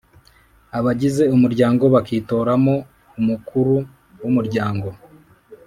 abagize Umuryango bakitoramo Umukuru wumuryango